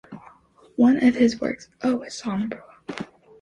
One of his works, Oh Sombra!